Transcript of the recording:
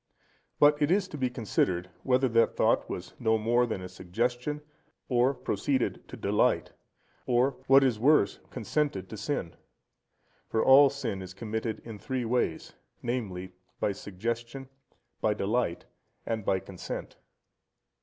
But it is to be considered, whether that thought was no more than a suggestion, or proceeded to delight, or, what is worse, consented to sin. For all sin is committed in three ways, viz., by suggestion, by delight, and by consent.